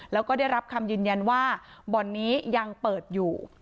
แล้วก็ได้รับคำยืนยันว่าบ่อนนี้ยังเปิดอยู่